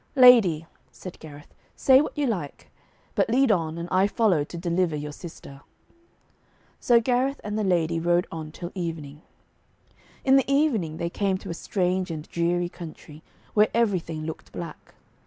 'Lady,' said Gareth, 'say what you like; but lead on, and I follow to deliver your sister.' So Gareth and the lady rode on till evening. In the evening they came to a strange and dreary country, where everything looked black.